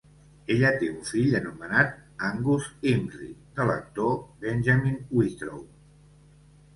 Ella té un fill anomenat Angus Imrie de l'actor Benjamin Whitrow.